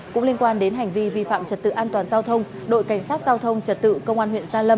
cũng liên quan đến hành vi vi phạm trật tự an toàn giao thông đội cảnh sát giao thông trật tự công an huyện gia lâm